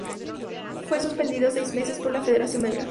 Fue suspendido seis meses por la federación belga.